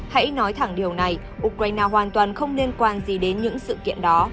hãy nói thẳng điều này ukraine hoàn toàn không liên quan gì đến những sự kiện đó